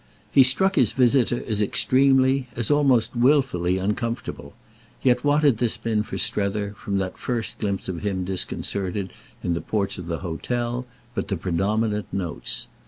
He struck his visitor as extremely, as almost wilfully uncomfortable; yet what had this been for Strether, from that first glimpse of him disconcerted in the porch of the hotel, but the predominant notes.